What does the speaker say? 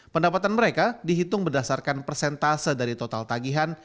pendapatan mereka dihitung berdasarkan persentase dari total tagihan